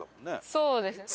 そうですね。